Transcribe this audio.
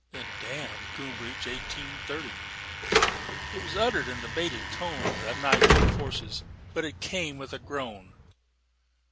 "Then damn Groombridge Eighteen thirty!" It was uttered in the bated tone that night enforces: but it came with a groan.